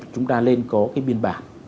chúng ta nên có cái biên bản